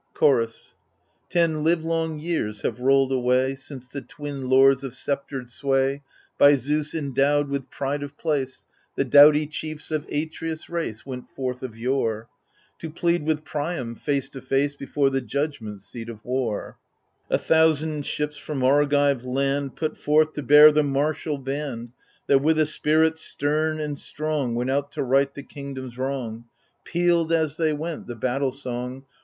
AGAMEMNON 5 Chorus Ten livelong years have rolled away, Since the twin lords of sceptred sway, By Zeus endowed with pride of place, The doughty chiefs of Atreus' race, Went forth of yore, To plead with Priam, face to face. Before the judgment seat of War I A thousand ships from Argive land Put forth to bear the martial band. That with a spirit stem and strong Went out to right the kingdom*s wrong — Pealed, as they went, the battle song.